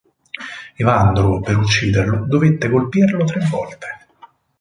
Evandro, per ucciderlo, dovette colpirlo tre volte.